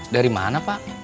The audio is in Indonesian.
dari mana pak